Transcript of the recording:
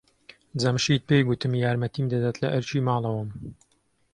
جەمشید پێی گوتم یارمەتیم دەدات لە ئەرکی ماڵەوەم.